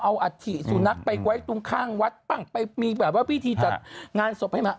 เอาอาธิสุนัขไปไว้ตรงข้างวัดไปมีวิธีจัดงานศพให้หมา